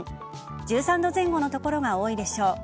１３度前後の所が多いでしょう。